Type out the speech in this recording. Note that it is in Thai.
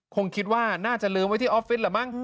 คงคิดว่าน่าจะลืมไว้ที่ออฟฟิศเหรอมั้ง